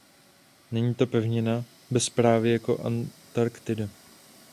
Není to pevnina bez správy jako Antarktida.